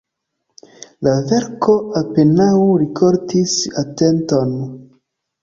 La verko apenaŭ rikoltis atenton.